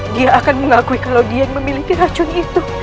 dia akan mengakui kalau dia yang memiliki racun itu